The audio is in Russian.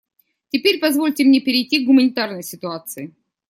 Теперь позвольте мне перейти к гуманитарной ситуации.